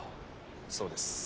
そうです。